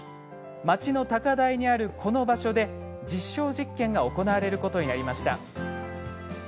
町の高台にある、この場所で実証実験が行われることになりました。